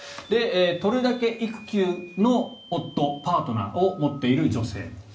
とるだけ育休の夫パートナーを持っている女性。